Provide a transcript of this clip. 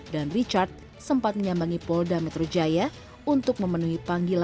dan richard sempat menyambangi polda metro jaya untuk memenuhi panggilan